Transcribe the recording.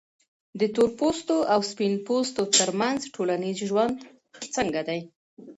د تورپوستو او سپین پوستو ترمنځ ټولنیز ژوند څنګه دی؟